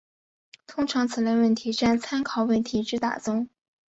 通常此类问题占参考问题之大宗。